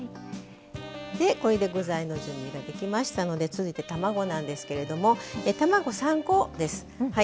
これで具材の準備ができましたので続いて、卵なんですけれども卵３個です。